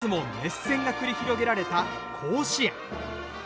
この夏も熱戦が繰り広げられた甲子園。